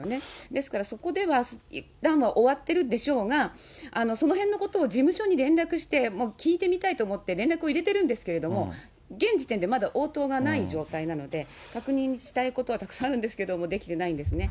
ですからそこではいったんは終わってるんでしょうが、そのへんのことを事務所に連絡して聞いてみたいと思って連絡を入れてるんですけども、現時点でまだ応答がない状態なので、確認したいことはたくさんあるんですけれども、できてないんですね。